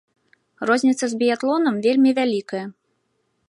Розніца з біятлонам вельмі вялікая.